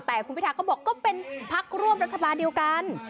แต่คุณพิทาเขาบอกก็เป็นพักร่วมรัฐบาลเดียวกัน